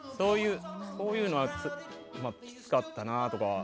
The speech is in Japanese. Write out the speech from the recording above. そういうのはきつかったなとか。